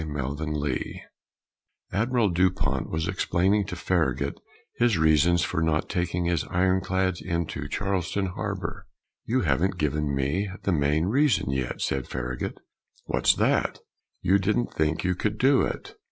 THE LION PATH Admiral Dupont was explaining to Farragut his reasons for not taking his ironclads into Charleston harbor. "You haven't given me the main reason yet," said Farragut. "What's that?" "You didn't think you could do it."